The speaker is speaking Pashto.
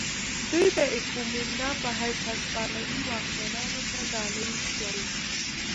دوی د ایکومینډا په حیث هسپانوي واکمنانو ته ډالۍ شول.